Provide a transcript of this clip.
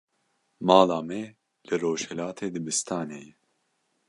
Mala me li rojhilatê dibistanê ye.